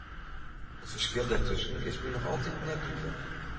It ferskil dêrtusken is my noch altiten net dúdlik.